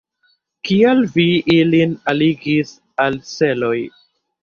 Kial vi ilin alligis al seloj?